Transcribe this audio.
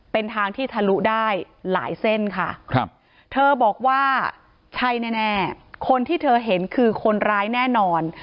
เป็นทางที่ทะลุได้หลายเส้นค่ะเธอบอกว่าใช่แน่คนที่เธอเห็นคือคนร้ายแน่นอน